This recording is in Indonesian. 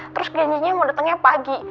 terus ganyinya mau datangnya pagi